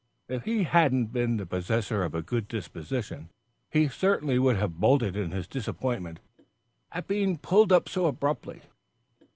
If he hadn't been the possessor of a good disposition, he certainly would have bolted in his disappointment at being pulled up so abruptly.